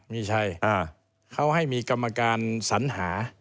ไม่ใช่เขาให้มีกรรมการสัญหา